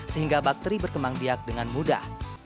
sehingga bakteri berkembang biak dengan mudah